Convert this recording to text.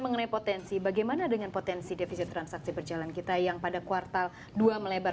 mengenai potensi bagaimana dengan potensi defisit transaksi berjalan kita yang pada kuartal dua melebar